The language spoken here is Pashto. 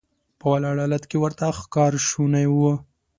په ولاړ حالت کې ورته ښکار شونی و.